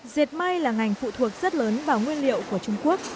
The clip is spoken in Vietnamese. dệt may là ngành phụ thuộc rất lớn vào nguyên liệu của trung quốc